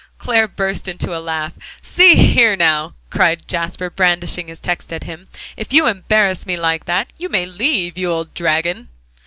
Clare burst into a laugh. "See here now," cried Jasper, brandishing his text at him, "if you embarrass me like that, you may leave, you old dragon!"